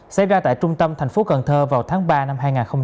xảy ra tại trung tâm thành phố cần thơ vào tháng ba năm hai nghìn hai mươi ba